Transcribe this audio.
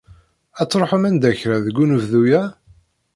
Ad truḥem anda kra deg unebdu-ya?